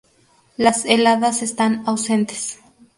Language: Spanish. Las heladas están ausentes.